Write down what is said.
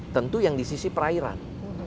tentu yang di sisi perairan